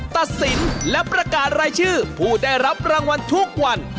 ตัดสินและประกาศรายชื่อผู้ได้รับรางวัลทุกวัน